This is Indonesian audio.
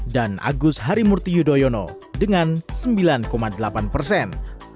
dan agus harimurti yudhoyono dengan sembilan delapan persen